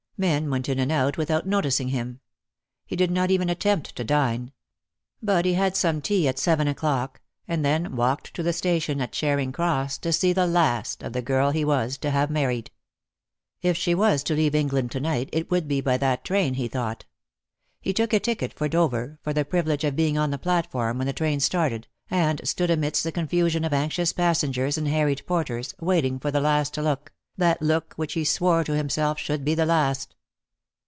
Men went in and out without noticing him. He did not even attempt to dine; but he had some tea at seven o'clock, and then walked to the station at Charing Cross to see the last of the girl he was to have married. If she was to leave England to night it would be by that train, he thought. He took a ticket for Dover, for the privilege of being on the platform when the train started, and stood amidst the con fusion of anxious passengers and harried porters, waiting for the last look, that look which he swore to himself should be the last.